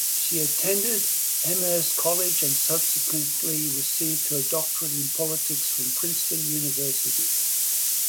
She attended Amherst College and subsequently received her doctorate in politics from Princeton University.